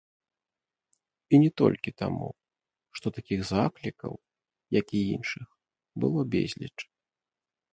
І не толькі таму, што такіх заклікаў, як і іншых, было безліч.